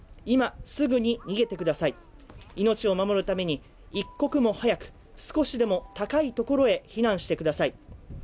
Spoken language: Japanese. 今すぐに逃げてください、命を守るために、一刻も早く、少しでも高いところへ避難してください。